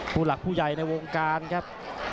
ผู้หลักผู้ใหญ่ในวงการครับ